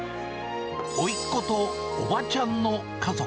おいっ子とおばちゃんの家族。